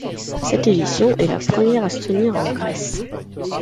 Cette édition est la première à se tenir en Grèce.